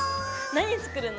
何作るの？